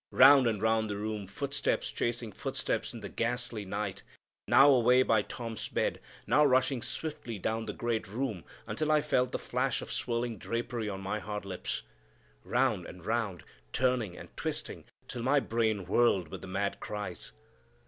Round and round the room, footsteps chasing footsteps in the ghastly night, now away by Tom's bed, now rushing swiftly down the great room until I felt the flash of swirling drapery on my hard lips. Round and round, turning and twisting till my brain whirled with the mad cries.